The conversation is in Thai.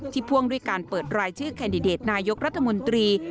พ่วงด้วยการเปิดรายชื่อแคนดิเดตนายกรัฐมนตรี